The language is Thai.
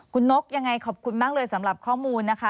คุณนกยังไงขอบคุณมากเลยสำหรับข้อมูลนะคะ